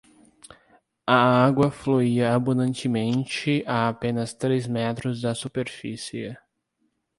A água fluía abundantemente a apenas três metros da superfície.